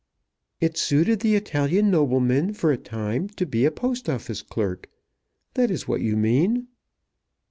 "It suited the Italian nobleman for a time to be a Post Office clerk. That is what you mean."